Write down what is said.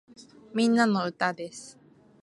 みんなの歌です